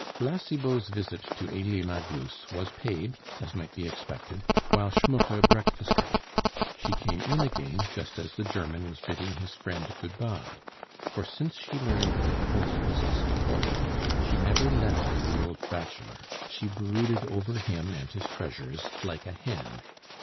La Cibot's visit to Elie Magus was paid (as might be expected) while Schmucke breakfasted. She came in again just as the German was bidding his friend good bye; for since she learned that Pons possessed a fortune, she never left the old bachelor; she brooded over him and his treasures like a hen.